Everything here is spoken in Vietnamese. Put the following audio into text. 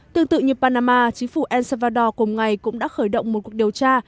tương tự như panama chính phủ el salvador cùng ngày cũng đã khởi động một cuộc điều tra